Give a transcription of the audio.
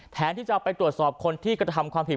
แทนที่จะไปตรวจสอบคนที่กระทำความผิด